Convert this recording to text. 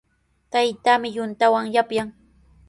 Taytaami yuntawan yapyan.